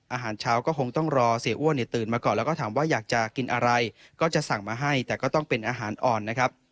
อาหารเช้าก็คงต้องรอเสียอ้วนเนี่ยตื่นมาก่อนแล้วก็ถามว่าอยากจะกินอะไรก็จะสั่งมาให้แต่ก็ต้องเป็นอาหารอ่อนนะครับ